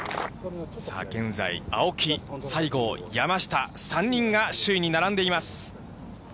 現在、青木、西郷、山下、３人が首位に並んでいます。